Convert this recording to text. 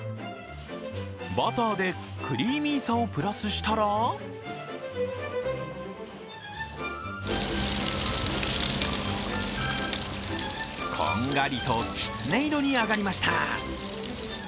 バターでクリーミーさをプラスしたらこんがりときつね色に揚がりました。